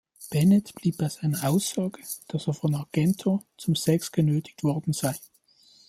Bennett blieb bei seiner Aussage, dass er von Argento zum Sex genötigt worden sei.